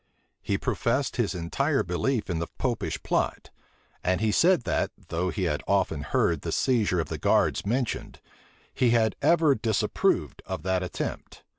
He professed his entire belief in the Popish plot: and he said that, though he had often heard the seizure of the guards mentioned, he had ever disapproved of that attempt.